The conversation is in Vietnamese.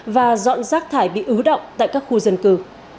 và dọn rác thải bị ứ động tại các khu dân cư